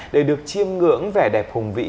để được chiêm ngưỡng vẻ đẹp hùng vĩ